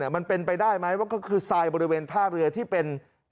มันเป็นไปได้ไหมว่าก็คือทรายบริเวณท่าเรือที่เป็น